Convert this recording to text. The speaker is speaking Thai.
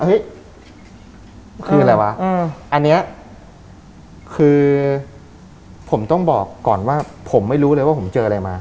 เฮ้ยคืออะไรวะอันนี้คือผมต้องบอกก่อนว่าผมไม่รู้เลยว่าผมเจออะไรมา